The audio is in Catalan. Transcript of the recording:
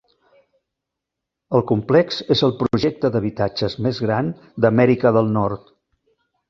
El complex és el projecte d'habitatges més gran d'Amèrica del Nord.